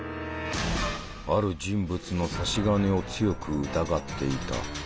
ある人物の差し金を強く疑っていた。